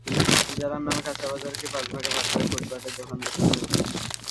ইজারার নামে কাঁচাবাজারকে পাঁচ ভাগে ভাগ করে ফুটপাতে দোকান বসানো হয়েছে।